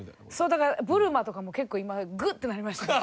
だからぶるまとかも結構今グッ！ってなりましたね。